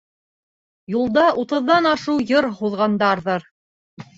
Юлда утыҙҙан ашыу йыр һуҙғандарҙыр.